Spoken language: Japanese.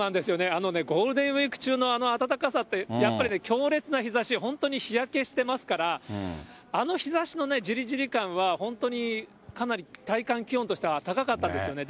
あのね、ゴールデンウィーク中のあの暖かさって、やっぱり強烈な日ざし、本当に日焼けしてますから、あの日ざしのね、じりじり感は、本当にかなり体感気温としては高かったんですよね。